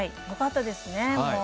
よかったですね。